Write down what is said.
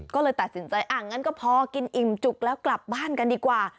ก็เลยตัดสินใจอ่ะงั้นก็พอกินอิ่มจุกแล้วกลับบ้านกันดีกว่า